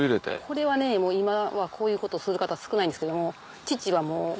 これはねもう今はこういうことする方少ないんですけども父は。